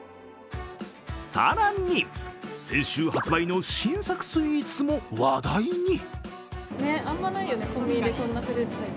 更に、先週発売の新作スイーツも話題に。